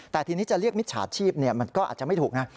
แต่ทีนี้จะเรียกมิจฉาชีพมันก็อาจจะไม่ถูกนะ